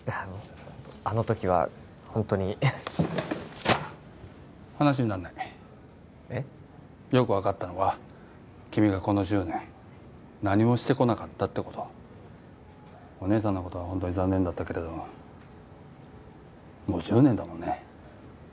あのあのときはホントに話になんないえっ？よく分かったのは君がこの１０年何もしてこなかったってことお姉さんのことはホントに残念だったけれどもう１０年だもんね